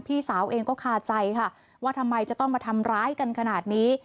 พี่สาวเองก็คาใจค่ะว่าทำไมจะต้องมาทำร้ายกันขนาดนี้